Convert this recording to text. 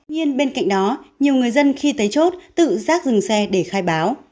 nhưng bên cạnh đó nhiều người dân khi tới chốt tự rác dừng xe để khai báo